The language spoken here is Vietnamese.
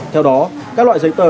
theo đó các loại giấy tờ